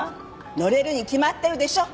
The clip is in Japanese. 乗れるに決まってるでしょ！